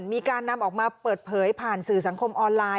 มีการนำออกมาเปิดเผยผ่านสื่อสังคมออนไลน์